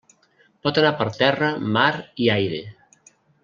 Pot anar per terra, mar i aire.